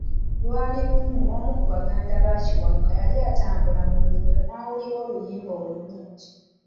Lwali lumu omu ku baganda ba Kiwanuka yali atambula mu nnimiro n'awulira oluyimba olulungi .